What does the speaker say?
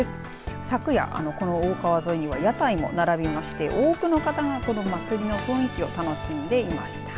昨夜、この大川沿いには屋台も並びまして多くの方がこの祭りの雰囲気を楽しんでいました。